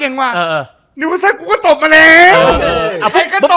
นิวกัลซ่อนกูก็ตบมาแล้ว